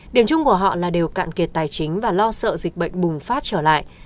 điểm chung của họ là đều cạn kiệt tài chính và lo sợ dịch bệnh bùng phát trở lại